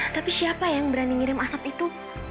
tapi siapa yang berani ngirim asap itu